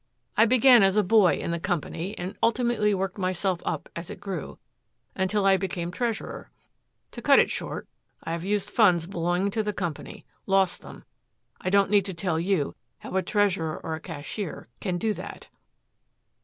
"I began as a boy in the company and ultimately worked myself up as it grew, until I became treasurer. To cut it short, I have used funds belonging to the company, lost them. I don't need to tell you how a treasurer or a cashier can do that."